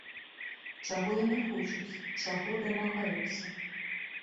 Чаго яны хочуць, чаго дамагаюцца?